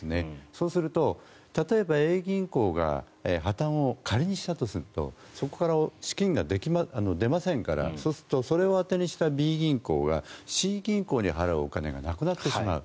そうすると例えばＡ銀行が例えば破たんしたとするとそこから資金が出ませんからそうするとそれを当てにしたＢ銀行がＣ銀行に払うお金がなくなってしまう。